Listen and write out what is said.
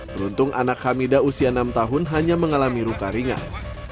beruntung anak hamida usia enam tahun hanya mengalami luka ringan